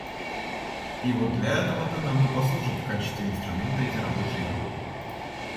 И вот для этого-то нам и послужат в качестве инструмента эти рабочие группы.